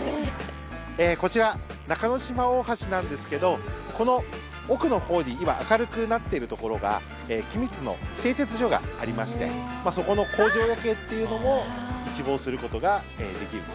こちら中の島大橋なんですけどこの奥のほうに今明るくなっているところが君津の製鉄所がありましてそこの工場夜景っていうのも一望することができる。